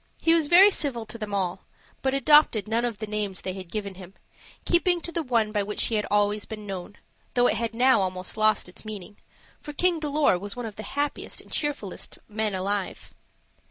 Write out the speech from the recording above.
He was very civil to them all, but adopted none of the names they had given him, keeping to the one by which he had been always known, though it had now almost lost its meaning; for King Dolor was one of the happiest and cheerfulest men alive.